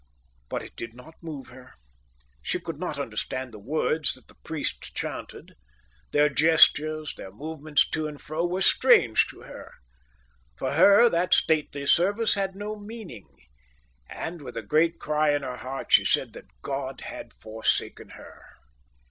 But it did not move her. She could not understand the words that the priests chanted; their gestures, their movements to and fro, were strange to her. For her that stately service had no meaning. And with a great cry in her heart she said that God had forsaken her.